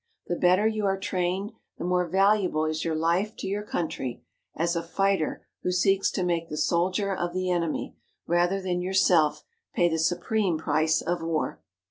The better you are trained the more valuable is your life to your country, as a fighter who seeks to make the soldier of the enemy, rather than yourself, pay the supreme price of war.